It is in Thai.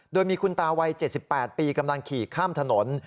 โดยมีคุณตาวัย๗๘ปีกำลังขี่ข้ามถนน